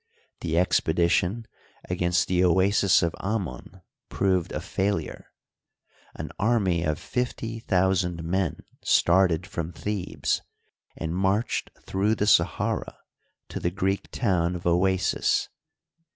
The expedition against the Oasis of Amon proved a failure. An army of fifty thousand men started from Thebes and marched through the Sahara to the Greek town of Oasis.